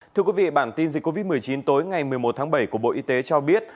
thưa quý vị bản tin dịch covid một mươi chín tối ngày một mươi một tháng bảy của bộ y tế cho biết